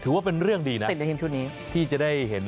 ถือว่าเป็นเรื่องดีนะที่จะได้เห็น